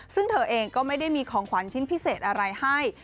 ซึ่งเธอเองก็ไม่ได้มีของขวัญชิ้นพิเศษอะไรให้